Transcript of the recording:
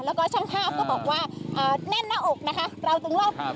แล้วก็ช่างภาพก็บอกว่าแน่นหน้าอกนะคะ